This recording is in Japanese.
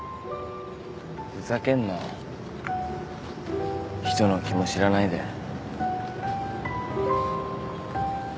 ふざけんなよ人の気も知らないで。